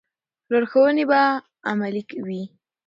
لارښوونې به علمي وي.